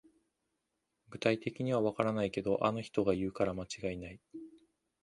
具体的にはわからないけど、あの人が言うから間違いない